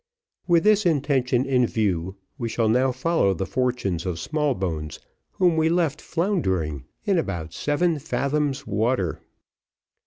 With this intention in view, we shall now follow the fortunes of Smallbones, whom we left floundering in about seven fathoms water.